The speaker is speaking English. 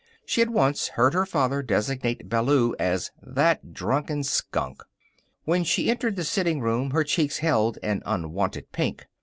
She had once heard her father designate Ballou as "that drunken skunk." When she entered the sitting room her cheeks held an unwonted pink.